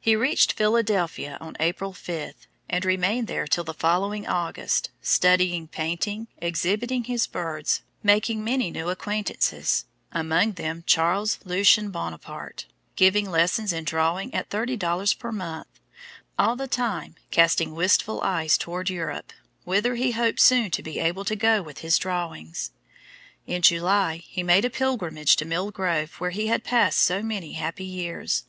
He reached Philadelphia on April 5, and remained there till the following August, studying painting, exhibiting his birds, making many new acquaintances, among them Charles Lucien Bonaparte, giving lessons in drawing at thirty dollars per month, all the time casting wistful eyes toward Europe, whither he hoped soon to be able to go with his drawings. In July he made a pilgrimage to Mill Grove where he had passed so many happy years.